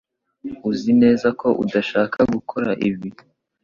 Uzi neza ko udashaka gukora ibi